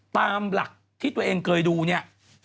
ตามหลักที่ตัวเองเคยดูเนี่ย